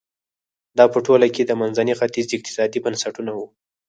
دا په ټوله کې د منځني ختیځ اقتصادي بنسټونه وو.